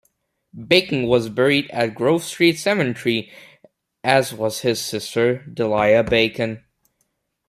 Bacon was buried at Grove Street Cemetery, as was his sister Delia Bacon.